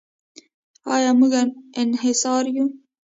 آیا موږ انصار یو؟